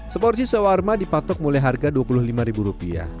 seporsi sawarma dipatok mulai harga rp dua puluh lima